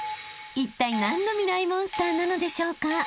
［いったい何のミライ☆モンスターなのでしょうか？］